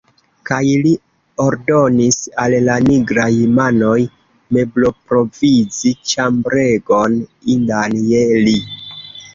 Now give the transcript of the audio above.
Kaj li ordonis al la nigraj manoj mebloprovizi ĉambregon, indan je li.